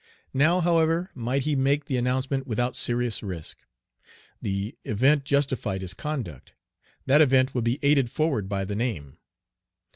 Now, however, might he make the announcement without serious risk. The event justified his conduct. That event would be aided forward by the name.